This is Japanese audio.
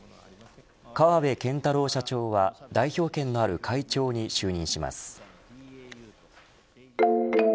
川邊健太郎社長は代表権のある会長に就任します。